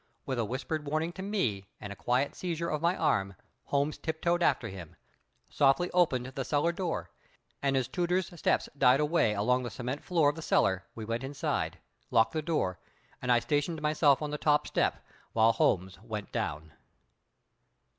With a whispered warning to me and a quiet seizure of my arm, Holmes tiptoed after him, softly opened the cellar door, and as Tooter's steps died away along the cement floor of the cellar, we went inside, locked the door, and I stationed myself on the top step, while Holmes went down.